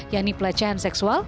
yakni pelecehan seksual